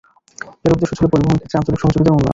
এর উদ্দেশ্য ছিল পরিবহণ ক্ষেত্রে আঞ্চলিক সহযোগিতার উন্নয়ন।